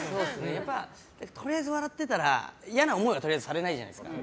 やっぱとりあえず笑ってたら嫌な思いはされないじゃないですか。